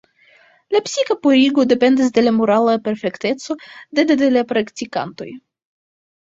La psika purigo dependas de la morala perfekteco de de la praktikantoj.